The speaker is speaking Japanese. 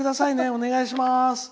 お願いします。